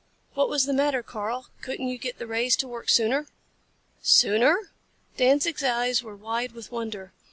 What was the matter, Karl? Couldn't you get the rays to work sooner?" "Sooner?" Danzig's eyes were wide with wonder.